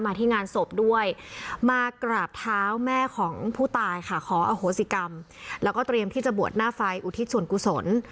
ที่งานศพด้วยมากราบเท้าแม่ของผู้ตายค่ะขออโหสิกรรมแล้วก็เตรียมที่จะบวชหน้าไฟอุทิศส่วนกุศล